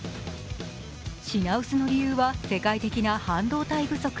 品薄の理由は、世界的な半導体不足